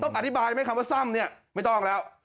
อธิบายไหมคำว่าซ่ำเนี่ยไม่ต้องแล้ว